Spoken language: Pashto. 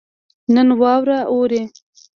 نن واوره اوري